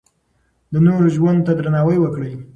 د نورو ژوند ته درناوی وکړئ.